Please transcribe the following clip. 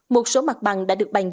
một số mặt bằng đã được bàn giải